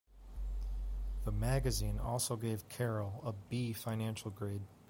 The magazine also gave Carroll a B financial grade.